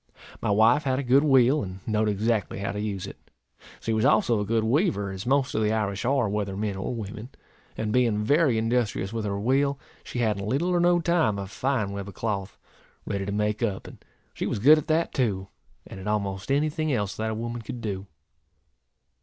My wife had a good wheel, and knowed exactly how to use it. She was also a good weaver, as most of the Irish are, whether men or women; and being very industrious with her wheel, she had, in little or no time, a fine web of cloth, ready to make up; and she was good at that too, and at almost any thing else that a woman could do.